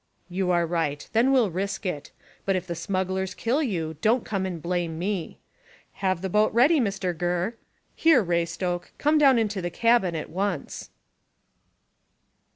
"You are right. Then we'll risk it; but if the smugglers kill you, don't come and blame me. Have the boat ready, Mr Gurr. Here, Raystoke, come down into the cabin at once."